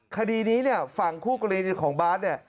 คดีนี้ฝั่งคู่กรณีดิจของบาร์ด